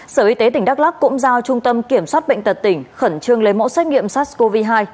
sở y tế tp hcm cũng giao trung tâm kiểm soát bệnh tật tỉnh khẩn trương lấy mẫu xét nghiệm sars cov hai